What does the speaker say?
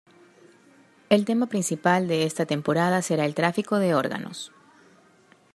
El tema principal de esta temporada será el tráfico de órganos.